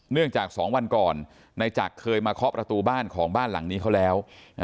จาก๒วันก่อนนายจักรเคยมาเคาะประตูบ้านของบ้านหลังนี้เขาแล้ว